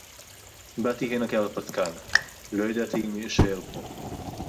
בָּאתִי הֵנָּה כְּהַרְפַּתְקָן. לֹא יָדַעְתִּי אִם אֶשָּׁאֵר פֹּה.